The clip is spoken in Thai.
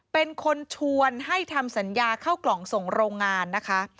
เป็นคนชวนให้ทำสัญญาเข้ากล่องส่งโรงงานนะคะ